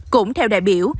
cũng theo đại biểu